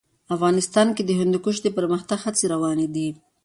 افغانستان کې د هندوکش د پرمختګ هڅې روانې دي.